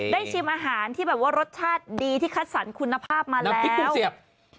ได้ชิมอาหารที่รสชาติดีที่คัดสรรคุณภาพมาแล้ว